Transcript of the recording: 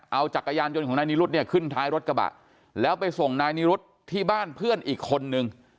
เอาจักรยานยนต์ของนายนิรุธเนี่ยขึ้นท้ายรถกระบะแล้วไปส่งนายนิรุธที่บ้านเพื่อนอีกคนนึง